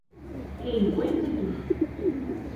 Qu’ei uet de tot.